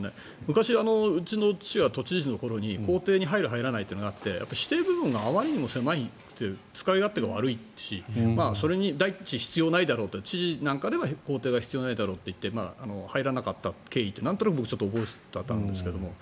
昔、うちの父が都知事の頃に公邸に入る入らないというのがあって私邸部分があまりにも狭くて使い勝手が悪いしそれに、第一必要ないだろうって知事なんかでは公邸は必要ないだろうと入らなかった経緯ってなんとなく僕、覚えていたんですが。